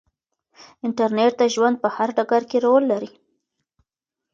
انټرنیټ د ژوند په هر ډګر کې رول لري.